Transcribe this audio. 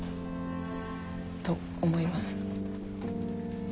と思います。